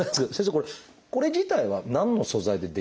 これこれ自体は何の素材で出来てるんですか？